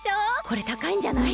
これたかいんじゃない？